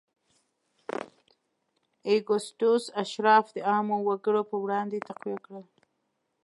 اګوستوس اشراف د عامو وګړو پر وړاندې تقویه کړل